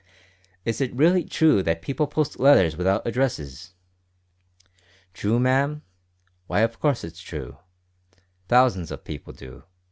"Is it really true that people post letters without addresses?" "True, ma'am? why, of course it's true. Thousands of people do.